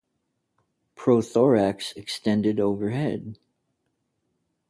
Prothorax extended over head.